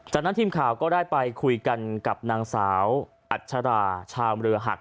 จากนั้นทีมข่าวก็ได้ไปคุยกันกับนางสาวอัชราชาวเรือหัก